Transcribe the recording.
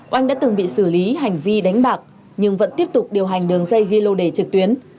oanh đã từng bị xử lý hành vi đánh bạc nhưng vẫn tiếp tục điều hành đường dây ghi lô đề trực tuyến